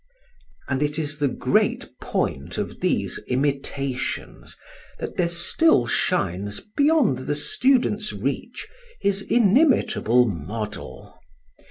And it is the great point of these imitations that there still shines beyond the student's reach his inimitable model.